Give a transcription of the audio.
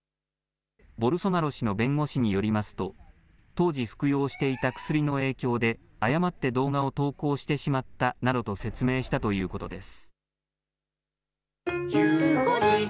ボルソナロ氏の弁護士によりますと当時服用していた薬の影響で誤って動画を投稿してしまったなどと説明したということです。